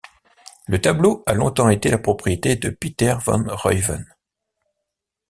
Le tableau a longtemps été la propriété de Pieter van Ruijven.